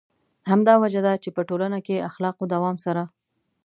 همدا وجه ده چې په ټولنه کې اخلاقو دوام سره.